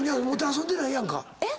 もてあそんでないやんか！